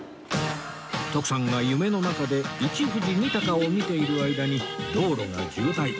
徳さんが夢の中で一富士二鷹を見ている間に道路が渋滞